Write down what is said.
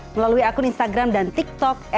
melalui akun instagram dan tiktok